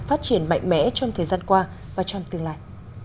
phát triển mạnh mẽ trong thời gian qua và trong tương lai